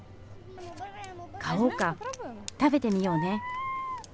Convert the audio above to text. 買おうか、食べてみようね。